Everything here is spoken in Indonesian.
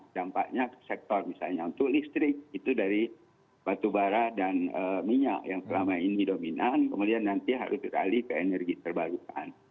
dampaknya sektor misalnya untuk listrik itu dari batu bara dan minyak yang selama ini dominan kemudian nanti harus beralih ke energi terbarukan